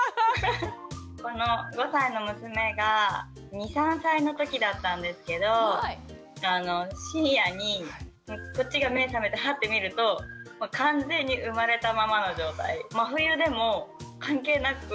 この５歳の娘が２３歳のときだったんですけど深夜にこっちが目覚めてハッて見ると真冬でも関係なく。